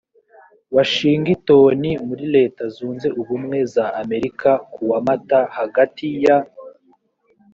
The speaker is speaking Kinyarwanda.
washingitoni muri leta zunze ubumwe za amerika kuwa mata hagati ya